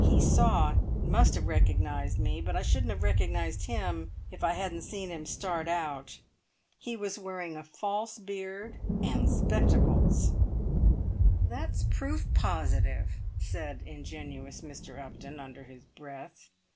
He saw, and must have recognised me; but I shouldn't have recognised him if I hadn't seen him start out. He was wearing a false beard and spectacles!" "That's proof positive," said ingenuous Mr. Upton, under his breath.